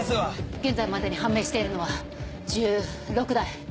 現在までに判明しているのは１６台。